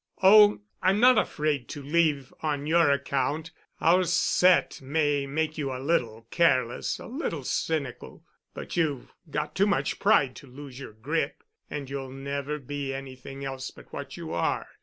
"Oh, I'm not afraid to leave on your account. Our set may make you a little careless, a little cynical, but you've got too much pride to lose your grip—and you'll never be anything else but what you are."